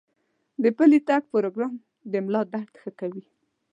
د پلي تګ پروګرام د ملا درد ښه کوي.